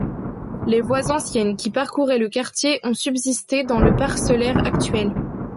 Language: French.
Les voies anciennes qui parcouraient le quartier ont subsisté dans le parcellaire actuel.